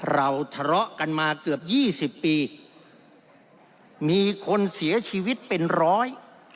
เราทะเลาะกันมาเกือบยี่สิบปีมีคนเสียชีวิตเป็นร้อย